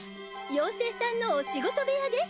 妖精さんのお仕事部屋です。